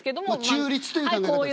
中立という考え方ですね。